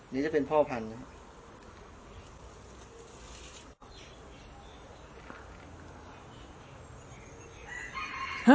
นี่จะเป็นพ่อพันธุ์